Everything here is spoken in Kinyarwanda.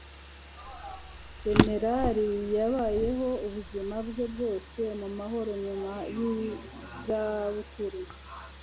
jenerali yabayeho ubuzima bwe bwose mu mahoro nyuma yizabukuru